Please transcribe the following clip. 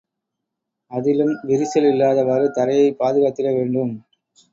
அதிலும் விரிசல் இல்லாதவாறு தரையை பாதுகாத்திட வேண்டும்.